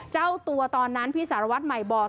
เจ้าตัวตอนนั้นพี่สารวัตรใหม่บอก